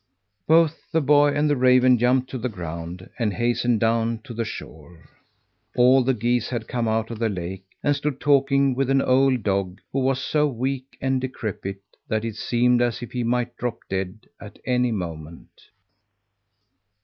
Both the boy and the raven jumped to the ground, and hastened down to the shore. All the geese had come out of the lake, and stood talking with an old dog, who was so weak and decrepit that it seemed as if he might drop dead at any moment.